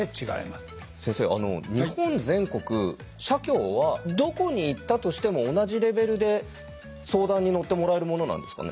先生日本全国社協はどこに行ったとしても同じレベルで相談に乗ってもらえるものなんですかね？